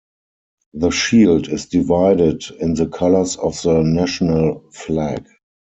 The shield is divided in the colors of the national flag.